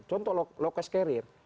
contoh lokas karir